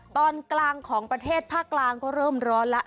ตอนกลางของประเทศภาคกลางก็เริ่มร้อนแล้ว